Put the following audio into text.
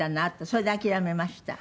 それで諦めました。